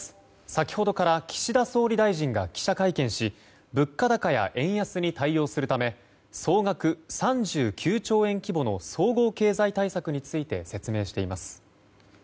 先ほどから岸田総理大臣が記者会見し物価高や円安に対応するため総額３９兆円規模の総合経済対策について説明しています。